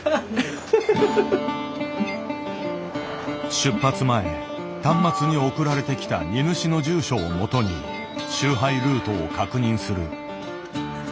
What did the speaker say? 出発前端末に送られてきた荷主の住所をもとに集配ルートを確認する。